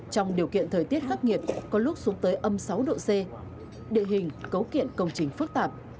trong điều kiện thời tiết khắc nghiệt có lúc xuống tới âm sáu độ c địa hình cấu kiện công trình phức tạp